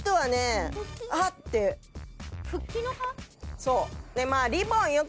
そう。